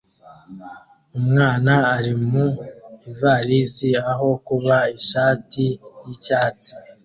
Umwana ari mu ivarisi aho kuba ishati y'icyatsi